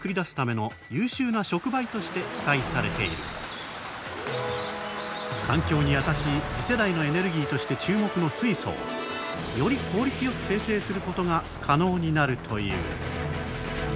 実は環境に優しい次世代のエネルギーとして注目の水素をより効率よく生成することが可能になるという。